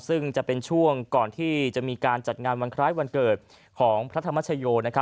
ซึ่งจะเป็นช่วงก่อนที่จะมีการจัดงานวันคล้ายวันเกิดของพระธรรมชโย